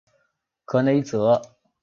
格雷泽。